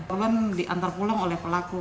korban diantar pulang oleh pelaku